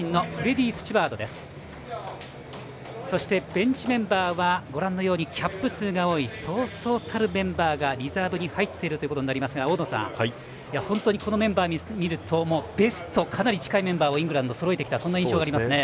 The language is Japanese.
ベンチメンバーもキャップ数が多いそうそうたるメンバーがリザーブに入っていることになりますが大野さん、本当にこのメンバーを見るとベストにかなり近いメンバーをイングランドそろえてきた印象がありますね。